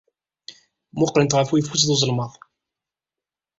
Mmuqqlent ɣef uyeffus ed uzelmaḍ.